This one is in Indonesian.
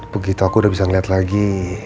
begitu aku udah bisa ngeliat lagi